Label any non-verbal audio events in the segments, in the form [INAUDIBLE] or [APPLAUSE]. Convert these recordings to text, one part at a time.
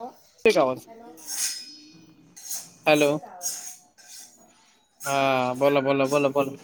अं.. येतोय का आवाज? हॅलो, हॅलो येतोय का आवाज? हा, बोला बोला बोला बोला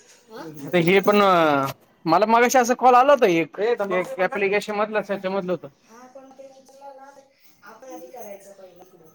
[INAUDIBLE] आता हे पण मला मघाशी असा कॉल आला होता एक, ऍप्लिकेशन मधलं त्याच्या मधलं होतं हा, कोण बोलते? [INAUDIBLE] आपण आधी करायचं पहिलं सुरू,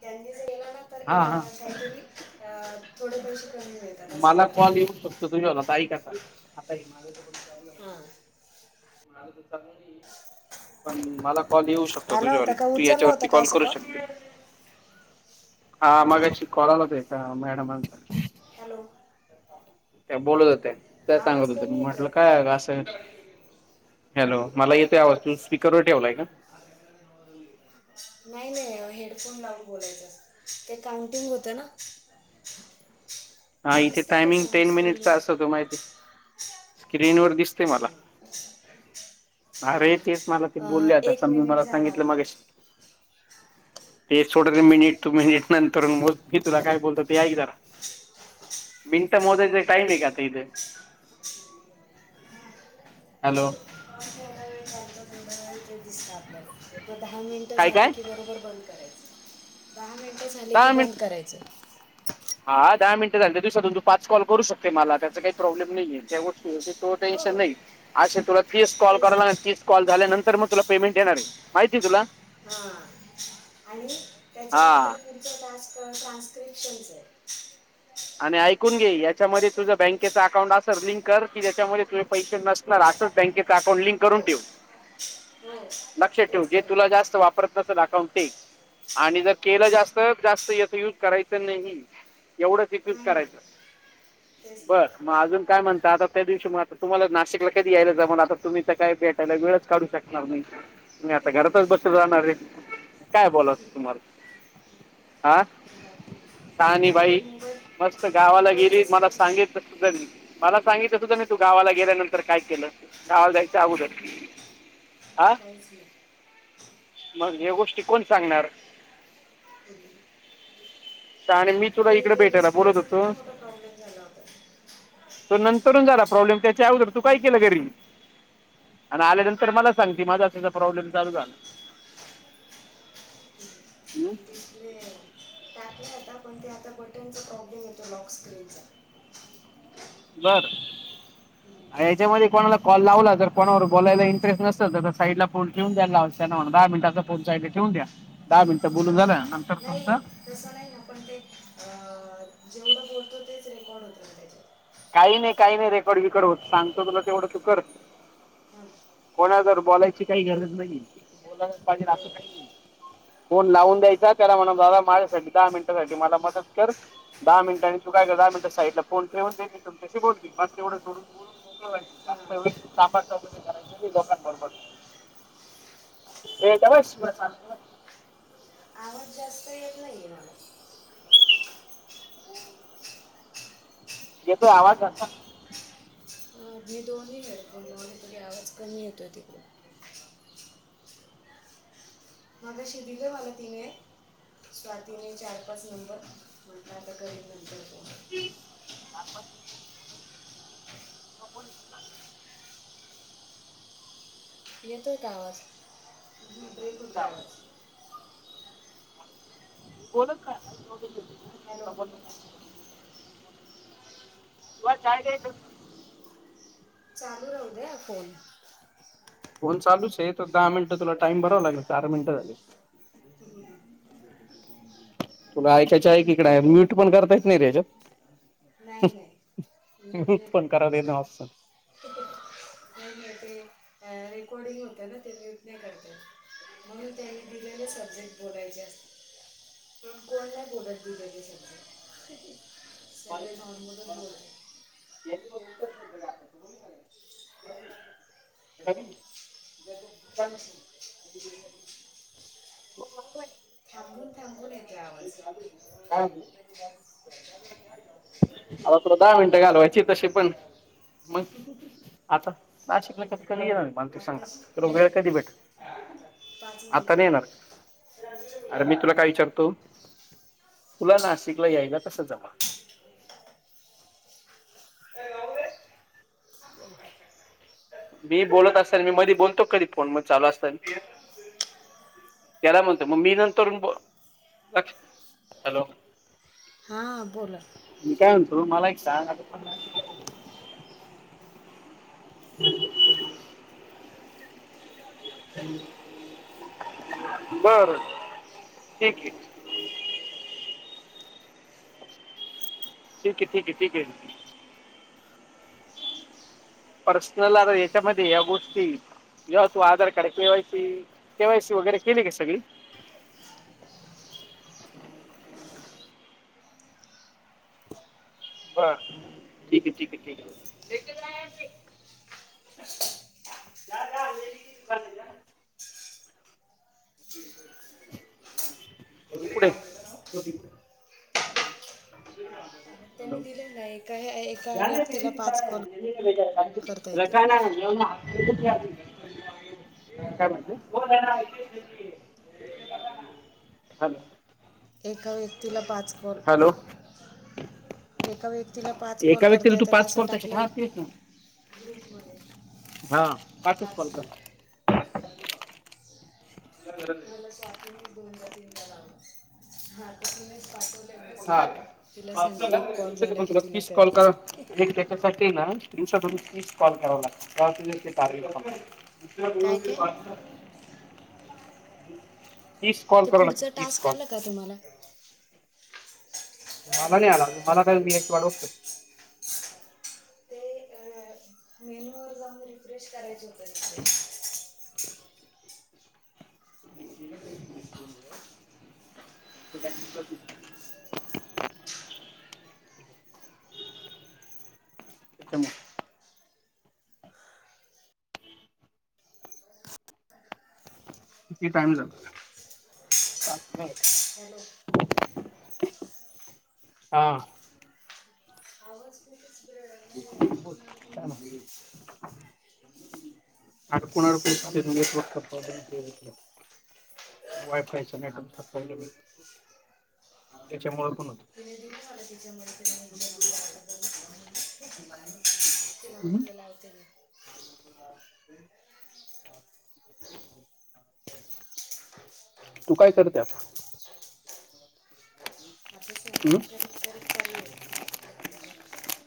त्यांनी जरी ना तर हा हा काहीतरी, अं.. थोडे पैसे कमी मिळतात, असं काहीतरी आहे. तु तर जेवला आता. ऐक आता, आता ऐक माझं हा. आलं तर चांगली आहे, पण मला कॉल येऊ शकतो आला होता तुझ्यावरही, का तू उचलला याच्यावरती होता का कॉल असं करू शकतो. हा मघाशी कॉल आला होता एका, मॅडमांचा. हॅलो त्या बोलत होत्या, त्या सांगत आवाज होत्या. कमी मी येतोय म्हटलं काय का असं? हॅलो, मला येतोय आवाज तू स्पीकरवर ठेवला आहे का? नाही नाही. हेडफोन लावून बोलायचं असतं, ते काउंटिंग होतं ना. हा इथे दिसतंय का टायमिंग समोर टेन मिनिटचा असतो, स्क्रीनवर तो माहिती. स्क्रीन वर दिस हम्.. अरे तेच मला ते हां, बोलले आता एक समजून मिनिट मला झाला सांगितलं आता. मगाशी ते सोड रे हां मिनिट, तू मिनिट नंतर मोज मी तुला काय बोलत ते ऐक जरा. मिनिटं मोजायचा टाईम आहे का, आता इथं? हॅलो. कॉल जेवढा वेळ आलता, तेवढा वेळ ते दिसतं आपल्याला. मग दहा मिनटं काय झाले काय की, बरोबर बंद करायचं. दहा मिनटे झाले की दहा बंद मिनिट करायचं. हा दहा मिनट झाले त दिवसातून तू पाच कॉल करू शकते मला त्याचा काही प्रॉब्लेम नाहीये त्या गोष्टी तो टेन्शन हो नाही असे तुला तीस कॉल तेच कराला ना तीस कॉल झाल्यानंतर मग तुला पेमेंट येणार आहे माहिती तुला. हा. आणि हा त्याच्यानंतर पुढचं टानस् ट्रान्स्क्रिप्शन्स आहे. आणि ऐकून घे याच्यामध्ये तुझं बँकेचं अकाउंट असेर लिंक कर की ज्याच्यामध्ये तुझ पैसे नस रा्र बँकें अकाउंट लिक करून हो ठेव. हो. लक्ष ठेवू तेच जे करणार तुला आहे जास्त वापरत नसल अकॉउंट ते. आणि जर केलं तेच जास्त जास्त याच युज करायचं नाही एवढं. नाही नाही ते. बर मग अजून काय म्हणत आता त्या दिवशी मग आता तुम्हाला नाशिकला कधी यायच जा म्हण आता तुम्ही काय. त्याला, वेळच काढू शकणार नाही. मी आता घरातच बसून राहणार आहे, काय बोलावं आता तुम्हाला आ? बाकी सहानी आणि ते बाई? मोबाईल मस्त गावाला गेली मोबाईलचं मला सांग सांगितल सुद्धा नाही. मला सांगितलं सुद्धा मी तू गावाला गेल्यानंतर काय केलं गावाला जायच अगोदर. हा काहीच नाही. मग या गोष्टी कोण सांगणार. ह. आणि मी तुला इकडे ते भेटायला बोलवत डिस्प्लेचा होतो. किती मोठा प्रॉब्लेम झाला होता तो नंतरून झाला प्रॉब्लेम त्याच्या अगोदर तू काय केलं घरी. आणि आल्यानंतर मला सांगते माझा त्याचा प्रॉब्लेम चालू झाला. हम् टाकला होता पण ते आता. बटनचा प्रॉब्लेम हो बर हम् याच्यामध्ये कोणाला कॉल लावला जर कोणावर बोलायला इंटरेस्ट नसेल तर साईडला फोन द्यायला लाव त्यां म्ह दहा मिनटचा फोन ठेवून द्या दहा मिनिटं बोलून हां झालं नंतर तुमचं नाही तसं पण ते जेवढं बोलतो तेच रेकॉर्ड होत ना त्याच्यात. काही नाही काही नाही रेकॉर्ड बीकॉर्ड कर होत सांगतो तुला तेवढं चु कर हां कोणा जर बोलायची काही गरज नाही बोलायलाच पाहिजे हो असं काही नाही. फोन लावून द्यायचा त्याला म्हणा दादा माझ्यासाठीठी दहा मिनिटासाठी मला मदत कर. दहा मिनटां आणि तू काय दहा मिनटं साईडला फोन ठेव देत तशी बोल मग तेवढं सून. हां एवढ सापड करायची दोकां पडत ये गपबास. आ जास्त नाही. येतो आवाज असता. अ मी दोनी् हेडफोन लाून तरी आवाज कमी येतो तिकडे माझ्याशी दिले मला तिने स्वातीने चार पाच नंबर म्हणता आता कररीब नंतर तो [UNINTELLIGIBLE] होन. येत का आवाज येतोय आवाज. आवा? हो का? हॅलो हो [INAUDIBLE] चालू राहू दे फोन फोन चालूच आहे तर दहा मिनटं तुला टाइम भरावं लागेल चार मिनटं झालेल. तुना [INAUDIBLE] तुला ऐकायच्या ऐकडे म्यूट पण करता येत नाही रे याच्यात नाही नाही म्युट पण करता येईना त नाहीत [UNINTELLIGIBLE] रेकॉर्डिंग होत ना ते म्युट नाही करता येत. म्हणून त्यांनी दिलेले सब्जेक्ट बोलायचे. पण कोणी नाही बोलत तेच सब्जेक्ट. सग नॉर्मलच बोलत. [INAUDIBLE] [INAUDIBLE] थांबून थांबून येतो आवाज ह आता तु दहा मिनटं घालवायची तशी पण मग आता ना शिक नाही क कमी गेलं नाही. मानतिक सांगा आताच तर वेळ नाही कधी भेट पाच आता मिनटं नाही येणार. झाली अर मी तुला काय विचारतो तुला नाशिकला यायला कस जमल. अ [INAUDIBLE] मी बोलत असताना मी मधी बोलतो कधी फोन म चालू असताना. त्याला म्हणत मग मी नंतर ब लक्ष हॅलो हां बोला. मी काय म्हणतो मला एक सांग आता ह [UNINTELLIGIBLE] बरं ठीक आहे [UNINTELLIGIBLE] ठीक आहे ठीक आहे ठीक आहे पर्सनल आ याच्यामध्ये या गोष्टी जेव्हा तू आधार कार्ड केवायसी केवाय सी वगैरे केली का सगळी हा ठीक आहे ठीक आहे ठीक आहे [UNINTELLIGIBLE] आहे पुढे [UNINTELLIGIBLE] अं, त्यांनी दिले ना एका एका जा र व्यक्तीला पाच कॉल करता येतील [UNINTELLIGIBLE] काय म्हणत [UNINTELLIGIBLE] हॅलो एका व्यक्तीला पाच कोल हॅलो एका व्यक्तीला पाच कॉल एका व्यक्तीला करते तू तर पाच तसं कॉल त्याच्यात टाकलं. हा तेच ना हा पाचच कॉल करतात मला स्वातीनेच दोन ला तीन ला लाग हात तीनेच पाठव हा दि झाला पण की तुला तीस करते करा एक त्याच्यासाठी ना दिवसातून तीस करावा लागत कार काय काय त [INAUDIBLE] तीस कॉल ते करा न पुढचं तीस टास्क कॉल आलं तुम्हाला मला नाही आला मला काही बीचची वाटवू शकते. मेनू वर जाऊन रिफ्रेश करायची होत रिथ्रेश [INAUDIBLE] त्यां प्रत [INAUDIBLE] म किती टाइम झाला सात म आठ हॅलो [UNINTELLIGIBLE] हा आवाज कतीच ब्रेड [UNINTELLIGIBLE] अडकुण अडकून चालेल म्हणजे नेटवर्कचा प्रॉब्लेम ईथ वायफायचा नेटवर्कचा प्रॉब्लेम त्याच्यामुळे पण होत तुम्ही दिवसात पतीच्या नंतर नाही तिला हम् म्हटलं लावते मी [INAUDIBLE] तू काय करते आता आता हम्म? स्वयंपाक करत करत चालु आहे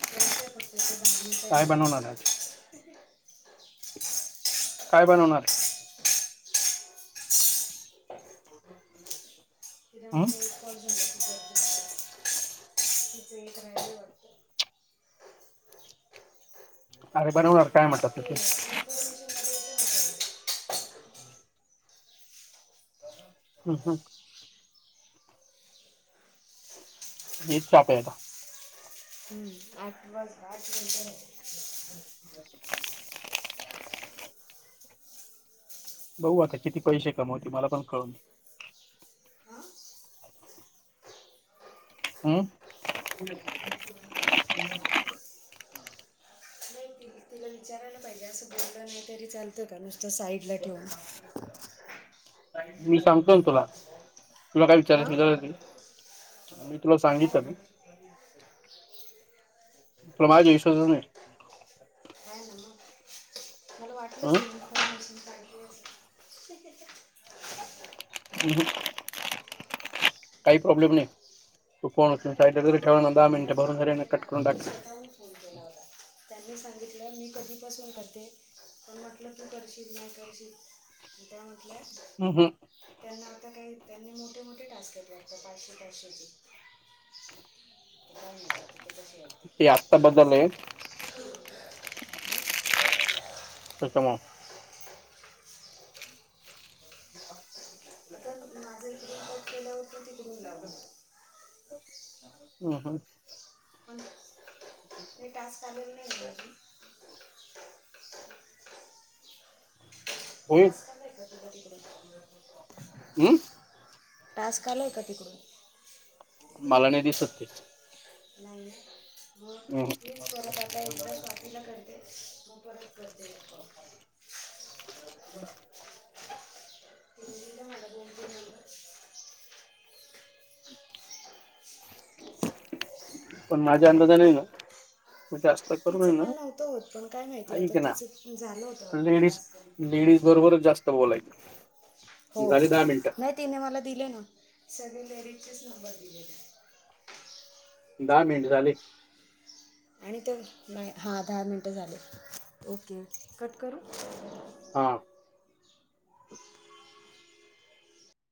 करत आहे काय बनवणार आज फक्त [UNINTELLIGIBLE] काय बनवणार आहे [INAUDIBLE] हं [INAUDIBLE] ते थ [INAUDIBLE] अरे बनवणार काय म्हणतात ते [UNINTELLIGIBLE] हम हं ये चहा प्यायलाय हम्म आ बस आठ घंटे हो [INAUDIBLE] बघु आता किती पैसे कमवते मला पण कळून दे. हां अ म [UNINTELLIGIBLE] नाही ते ईथे तिला विचारायला पाहिजे असं बोलल नाही तरी चालतं का नुसतं साईड ला ठेवून. मी सांगतोय ना तुला. तुला काय हां विचारायच असल [UNINTELLIGIBLE] मी तुला काय सांगितलं काय? [INAUDIBLE] तुला माझ्यावर विश्वासच नाही. हाय ना मग. हं. तू काय खाशील काय जे असेल [INAUDIBLE] य ह. काही प्रॉब्लेम नाही तो फोन उचलून साईडला जरी ठेवल ना दाहा मिनिटे भरून झालन कट करून टाकायचा. तू फोन केला होता त्यांनी सांगितलं मी कट कधी पासून करते पण म्हटलं तू करशील न करशील त्या म्हटल्यात. ह, हं. त्यांना आता काही त्यांनी मोठे मोठे टास्क घेतल्यात ते पाचशे, पाचशे चे. [INAUDIBLE] इथं काय म्हणतात? आता कसे ते आत्ता वाटते? बदललंय [INAUDIBLE] ह. कसं मग. आता माझं इकडून कट केलावरती तिकडून लावणार. हम्म, हम्म. ते टास्क आलेले नाही ना अजून. [INAUDIBLE] होईल टास्क हम्म आले का तिकडून? मला नाही दिसत ते. नाही ह म प्लीज परत आता एक स्वातीला करते म परत करते एक फोन. [UNINTELLIGIBLE] तिन एकदा मला फोन करून सांगितल. पण माझ्या अंदाजाने ना जास्त करू तिचं नये पण ना नव्हतं होत पण काय माहितीय आता ऐक ना तिचं झालं होतं वाटतं टास्क. फक्त बोलायच. हो, नाही तिने मला दिले ना सगळे व्हेरिडचेच नंबर दिलेले. दहा मिनट झाले. आणि तर नाही हां दहा मिनटं झाले. ओके कट करू? हा.